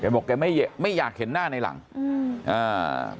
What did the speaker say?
บอกแกไม่ไม่อยากเห็นหน้าในหลังอืมอ่า